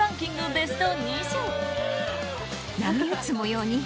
ベスト２０！